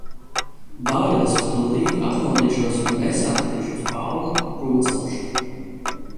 Bailes, ka tūlīt atmodīšos un es atradīšos Paula kūtsaugšā.